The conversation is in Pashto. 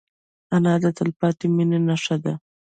انا د تلپاتې مینې نښه ده